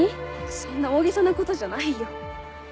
そんな大げさなことじゃないよ。